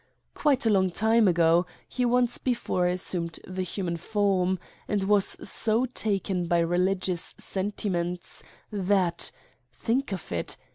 Quite a long time ago he once before assumed the human form and was so taken by religious sentiments that think of it